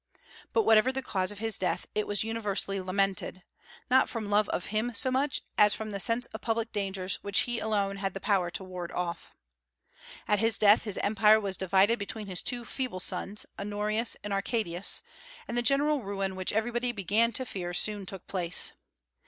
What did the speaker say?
But whatever the cause of his death it was universally lamented, not from love of him so much as from the sense of public dangers which he alone had the power to ward off. At his death his Empire was divided between his two feeble sons, Honorius and Arcadius, and the general ruin which everybody began to fear soon took place.